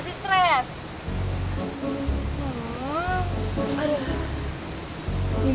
nanti kita gantian